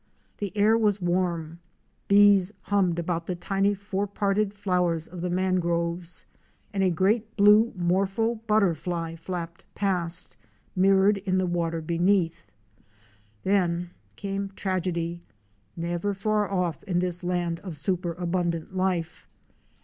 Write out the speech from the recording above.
The air was warm, bees hummed about the tiny four parted flowers of the mangroves, and a great blue morpho butterfly flapped past, mirrored in the water beneath. Then came tragedy — never far off in this land of superabundant life.